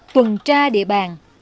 tuần tra địa bàn